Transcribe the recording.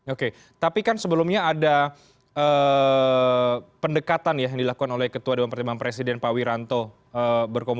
oke tapi kan sebelumnya ada pendekatan yang dilakukan oleh ketua dewan pertimbangan presiden pak wiranto